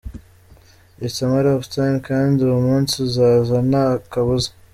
It is a matter of time kandi uwo munsi uzaza nta kabuza.